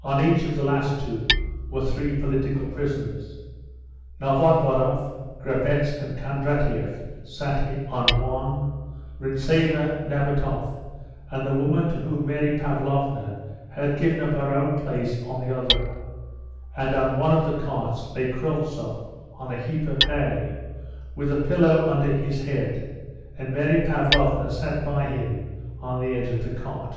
On each of the last two were three political prisoners. Novodvoroff, Grabetz and Kondratieff sat on one, Rintzeva, Nabatoff and the woman to whom Mary Pavlovna had given up her own place on the other, and on one of the carts lay Kryltzoff on a heap of hay, with a pillow under his head, and Mary Pavlovna sat by him on the edge of the cart.